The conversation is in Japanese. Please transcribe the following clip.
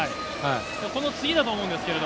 この次だと思うんですけど。